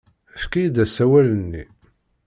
Efk-iyi-d asawal-nni.